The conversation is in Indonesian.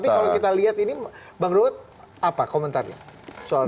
tapi kalau kita lihat ini bang raud apa komentarnya soal tadi